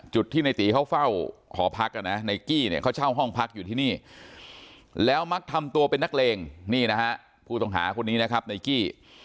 จุดที่ในตีเขาเฝ้าหอพักนะในกี้เนี่ยเขาเช่าห้องพักอยู่ที่นี่แล้วมักทำตัวเป็นนักเลงนี่นะฮะผู้ต้องหาคนนี้นะครับในกี้